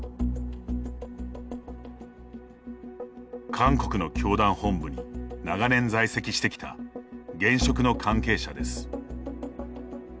韓国の教団本部に長年在籍してきた現職の関係者です。